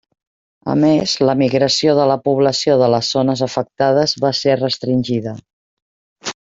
A més, la migració de la població de les zones afectades va ser restringida.